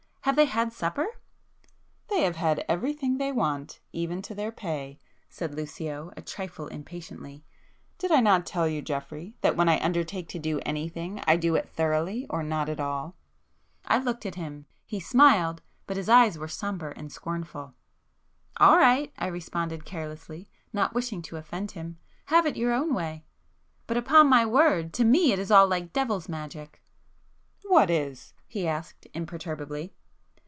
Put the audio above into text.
have they had supper?" "They have had everything they want, even to their pay," said Lucio, a trifle impatiently—"Did I not tell you Geoffrey, that when I undertake to do anything, I do it thoroughly or not at all?" I looked at him,—he smiled, but his eyes were sombre and scornful. "All right!" I responded carelessly, not wishing to offend him,—"Have it your own way! But, upon my word, to me it is all like devil's magic!" "What is?" he asked imperturbably.